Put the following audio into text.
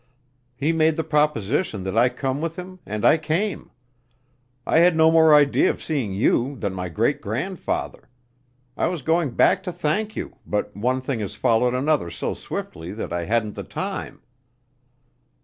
He made the proposition that I come with him, and I came. I had no more idea of seeing you than my great grandfather. I was going back to thank you, but one thing has followed another so swiftly that I hadn't the time."